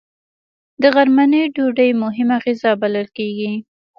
د غرمنۍ ډوډۍ مهمه غذا بلل کېږي